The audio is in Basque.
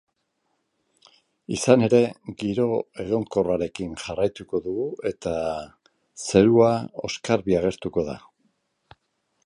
Izan ere, giro egonkorrarekin jarraituko dugu eta zerua oskarbi agertuko da.